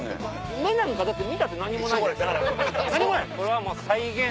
目なんかだって見たって何もない何もない！